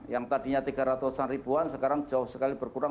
yang tadinya tiga ratus an ribuan sekarang jauh sekali berkurang